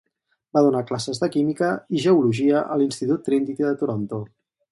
Va donar classes de química i geologia a l'institut Trinity de Toronto.